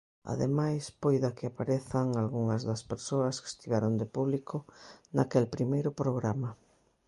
Ademais, poida que aparezan algunhas das persoas que estiveron de público naquel primeiro programa.